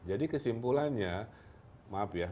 jadi kesimpulannya maaf ya